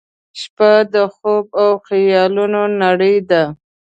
• شپه د خوب او خیالونو نړۍ ده.